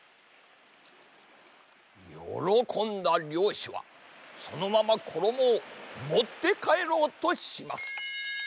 よろこんだりょうしはそのままころもをもってかえろうとします。